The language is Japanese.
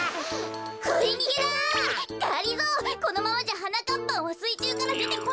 このままじゃはなかっぱんはすいちゅうからでてこないわよ。